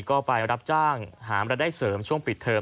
ก็ไปรับจ้างหามรดได้เสริมช่วงปิดเทอม